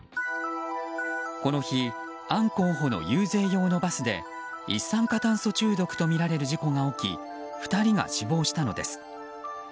この日アン候補の遊説用のバスで一酸化炭素中毒とみられる事故が起き２人が死亡したのです。